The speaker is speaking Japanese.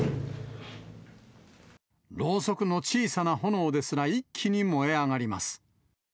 ろうそくの小さな炎ですら一気に燃え上がります。